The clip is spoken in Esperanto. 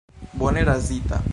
Bone razita.